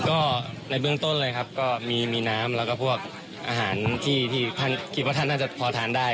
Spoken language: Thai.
ก็ในเบื้องต้นเลยครับก็มีน้ำแล้วก็พวกอาหารที่ท่านคิดว่าท่านน่าจะพอทานได้